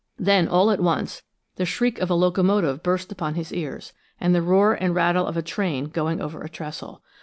Then, all at once, the shriek of a locomotive burst upon his ears, and the roar and rattle of a train going over a trestle.